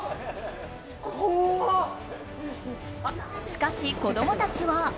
しかし、子供たちは。